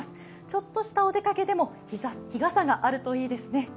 ちょっとしたお出かけでも日傘があるといいですね。